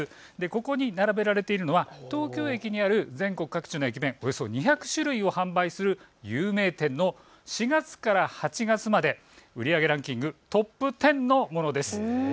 ここに並べられているのは東京駅にある全国各地の駅弁、およそ２００種類を販売する有名店の４月から８月までの売り上げランキングトップ１０のものです。